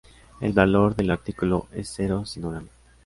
El valor del artículo es cero si no ganan.